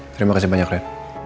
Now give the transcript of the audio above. terima kasih banyak ren